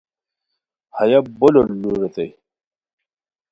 ہیہ بو لوٹ لو ریتائے